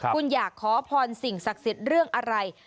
คุณอยากขอพรสิ่งศักดิ์สิทธิ์เรื่องอะไร